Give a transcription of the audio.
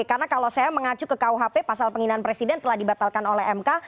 karena kalau saya mengacu ke kuhp pasal penginan presiden telah dibatalkan oleh mk